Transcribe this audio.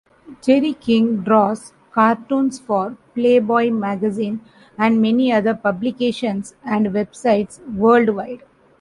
Jerry King draws cartoons for Playboy Magazine and many other publications and websites worldwide.